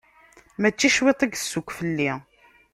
Mačči cwiṭ i yessukk fell-i.